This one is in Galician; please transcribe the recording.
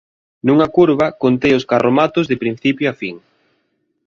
Nunha curva, contei os carromatos de principio a fin.